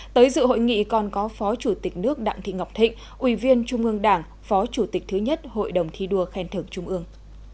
tới dự hội nghị còn có phó chủ tịch nước đặng thị ngọc thịnh ủy viên trung ương đảng phó chủ tịch thứ nhất hội đồng thi đua khen thưởng trung ương